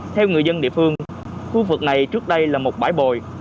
theo người dân địa phương khu vực này trước đây là một bãi bồi